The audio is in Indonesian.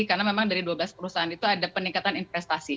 karena memang dari dua belas perusahaan itu ada peningkatan investasi